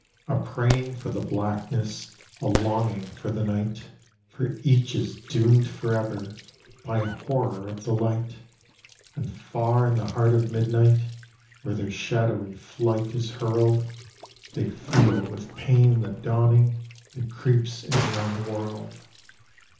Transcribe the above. A praying for the blackness, A longing for the night, For each is doomed forever By a horror of the light; And far in the heart of midnight, Where their shadowy flight is hurled, They feel with pain the dawning That creeps in round the world.